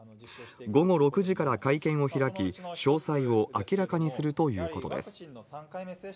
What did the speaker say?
午後６時から会見を開き、詳細を明らかにするということです。